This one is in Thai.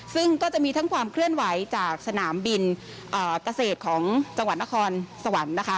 ซึ่งก็จะมีทั้งความเคลื่อนไหวจากสนามบินเกษตรของจังหวัดนครสวรรค์นะคะ